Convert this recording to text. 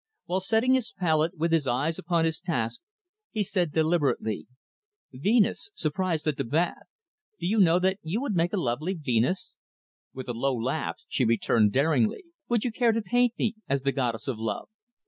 While setting his palette, with his eyes upon his task, he said deliberately, "'Venus Surprised at the Bath.' Do you know that you would make a lovely Venus?" With a low laugh, she returned, daringly. "Would you care to paint me as the Goddess of Love?"